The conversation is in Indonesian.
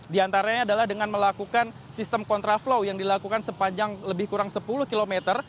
di antaranya adalah dengan melakukan sistem kontraflow yang dilakukan sepanjang lebih kurang sepuluh km